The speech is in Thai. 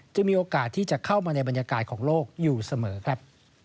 จะมีโอกาสที่จะเข้ามาในบรรยากาศของโลกอยู่เสมอครับ